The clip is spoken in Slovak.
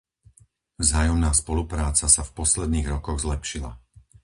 Vzájomná spolupráca sa v posledných rokoch zlepšila.